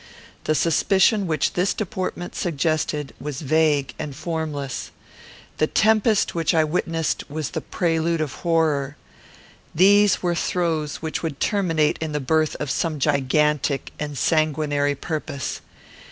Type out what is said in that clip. The suspicion which this deportment suggested was vague and formless. The tempest which I witnessed was the prelude of horror. These were throes which would terminate in the birth of some gigantic and sanguinary purpose.